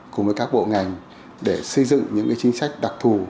cùng với các bộ ngành để xây dựng những chính sách đặc thù